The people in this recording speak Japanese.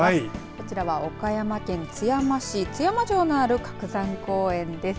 こちらは岡山県津山市津山城のある鶴山公園です。